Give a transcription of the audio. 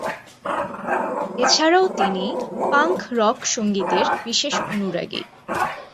এছাড়াও তিনি punk rock সঙ্গীতের বিশেষ অনুরাগী।